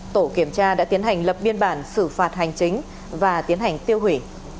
tổ kiểm tra đã tiến hành lập biên bản xử phạt hành chính và tiến hành tiêu hủy